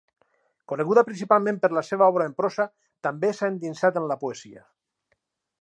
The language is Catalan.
Coneguda principalment per la seva obra en prosa, també s'ha endinsat en la poesia.